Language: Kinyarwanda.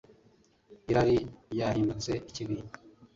irari ryahindutse ikibi